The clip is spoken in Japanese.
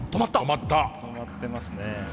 止まってますね。